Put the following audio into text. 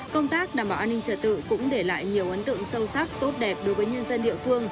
công tác đảm bảo an ninh trật tự cũng để lại nhiều ấn tượng sâu sắc tốt đẹp đối với nhân dân địa phương